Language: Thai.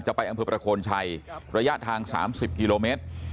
ไปอำเภอประโคนชัยระยะทาง๓๐กิโลเมตร